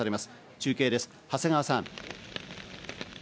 中継です、長谷川さん。